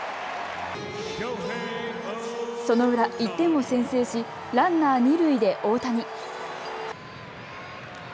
その裏、１点を先制しランナー二塁で大谷。